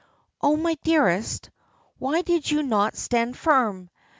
"Oh, my dearest, why did you not stand firm?